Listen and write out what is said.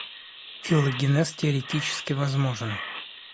Филогенез теоретически возможен.